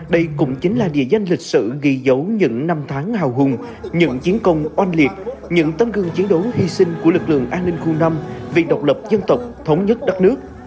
đây cũng chính là địa danh lịch sử ghi dấu những năm tháng hào hùng những chiến công oanh liệt những tấm gương chiến đấu hy sinh của lực lượng an ninh khu năm vì độc lập dân tộc thống nhất đất nước